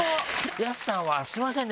ＹＡＳＵさんはすいませんね